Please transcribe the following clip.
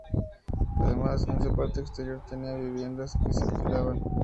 Además, en su parte exterior tenía viviendas que se alquilaban.